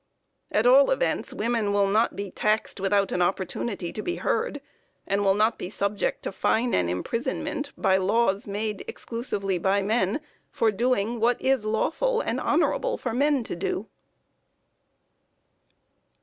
At all events women will not be taxed without an opportunity to be heard, and will not be subject to fine and imprisonment by laws made exclusively by men for doing what it is lawful and honorable for men to do.